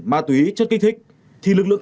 ma túy chất kích thích thì lực lượng